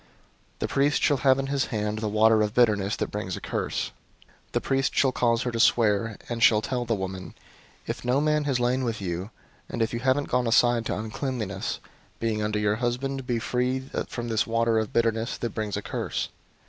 The priest shall have in his hand the water of bitterness that brings a curse. 005:019 The priest shall cause her to swear, and shall tell the woman, 'If no man has lain with you, and if you haven't gone aside to uncleanness, being under your husband, be free from this water of bitterness that brings a curse.